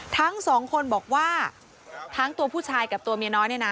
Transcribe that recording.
ทั้งสองคนบอกว่าทั้งตัวผู้ชายกับตัวเมียน้อยเนี่ยนะ